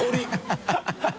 ハハハ